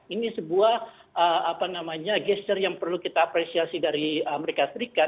ini sebuah gesture yang perlu kita apresiasi dari amerika serikat